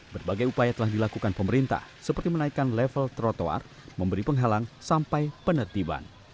berbagai upaya telah dilakukan pemerintah seperti menaikkan level trotoar memberi penghalang sampai penertiban